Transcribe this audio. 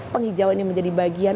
penghijauan ini menjadi bagian